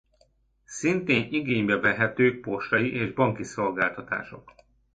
Szintén igénybe vehetők postai és banki szolgáltatások.